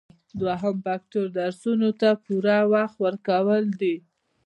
دوهم فکتور درسونو ته پوره وخت ورکول دي.